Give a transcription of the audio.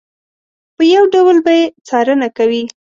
په یو ډول به یې څارنه کوي.